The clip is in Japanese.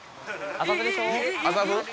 麻布？